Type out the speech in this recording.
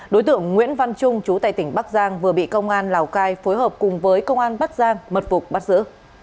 đối tượng nguyễn văn trung chú tại tỉnh bắc giang vừa bị công an lào cai phối hợp cùng với công an bắt giang mật phục bắt giữ